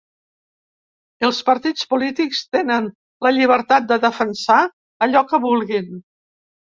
Els partits polítics tenen la llibertat de defensar allò que vulguin.